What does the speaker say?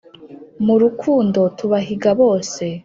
Mu rukundo tubahiga bose